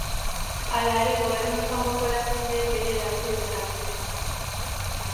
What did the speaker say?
Hala ere, gobernuz kanpoko erakundeek ere erabili dezakete.